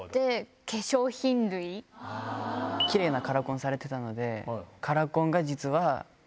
きれいなカラコンされてたので。